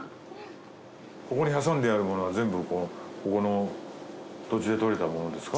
ここに挟んであるものは全部ここの土地で採れたものですか？